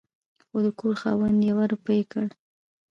خو د کور خاوند يوه روپۍ کړ